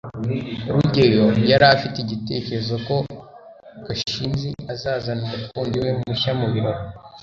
rugeyo yari afite igitekerezo ko gashinzi azazana umukunzi we mushya mubirori